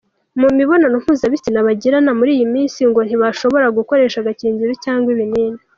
Mu mibonano mpuzabitsina bagirana muri iyi minsi ngo ntibashobora gukoresha agakingirizo cyangwa ibinini.